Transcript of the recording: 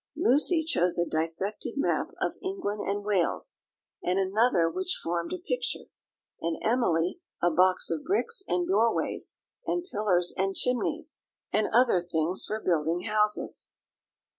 Lucy chose a dissected map of England and Wales, and another which formed a picture; and Emily, a box of bricks and doorways, and pillars and chimneys, and other things for building houses.